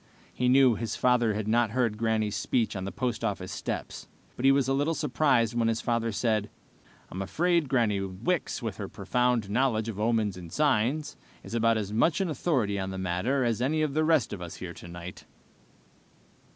He knew his father had not heard Granny's speech on the post office steps, but he was little surprised when his father said, "I'm afraid Granny Wicks, with her profound knowledge of omens and signs, is about as much an authority on this matter as any of the rest of us here tonight!"